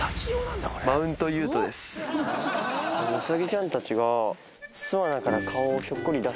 ウサギちゃんたちが。